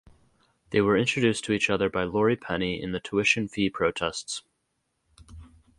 They were introduced to each other by Laurie Penny in the tuition fee protests.